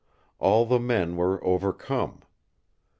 All the men were overcome.